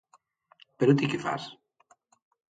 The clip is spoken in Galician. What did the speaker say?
Pero ti que fas...?